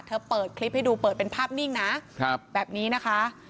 เปิดคลิปให้ดูเปิดเป็นภาพนิ่งนะแบบนี้นะคะ